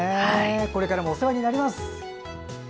これからもお世話になります。